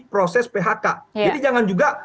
proses phk jadi jangan juga